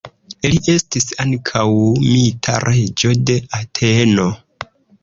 Li estis ankaŭ mita reĝo de Ateno.